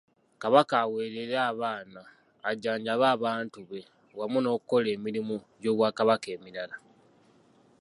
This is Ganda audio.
Kabaka awerere abaana, ajjanjabe abantu be wamu n'okukola emirimu gy'Obwakabaka emirala